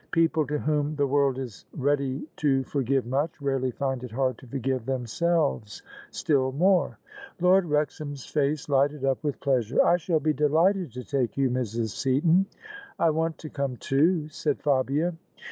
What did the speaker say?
People to whom the world IS ready to forgive much, rarely find it hard to forgive ^ themselves still more. A Lord Wrexham's face lighted up with pleasure. " I shall A be delighted to take you, Mrs. Seaton." " I want to come too," said Fabia.